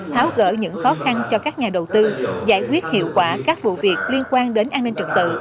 tháo gỡ những khó khăn cho các nhà đầu tư giải quyết hiệu quả các vụ việc liên quan đến an ninh trật tự